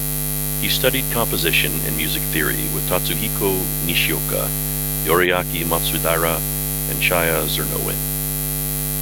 He studied composition and music theory with Tatsuhiko Nishioka, Yori-Aki Matsudaira and Chaya Czernowin.